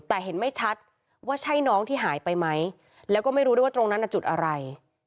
แต่เห็นไม่ชัดว่าใช่น้องที่หายไปไหมแล้วก็ไม่รู้ด้วยว่าตรงนั้นน่ะจุดอะไร